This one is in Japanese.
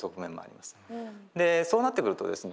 そうなってくるとですね